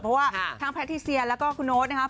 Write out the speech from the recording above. เพราะว่าทั้งแพทิเซียแล้วก็คุณโน๊ตนะครับ